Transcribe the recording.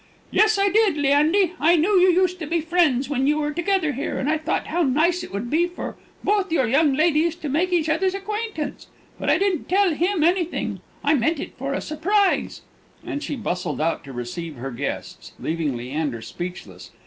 "Yes, I did, Leandy. I knew you used to be friends when you were together here, and I thought how nice it would be for both your young ladies to make each other's acquaintance; but I didn't tell him anything. I meant it for a surprise." And she bustled out to receive her guests, leaving Leander speechless.